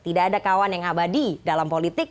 tidak ada kawan yang abadi dalam politik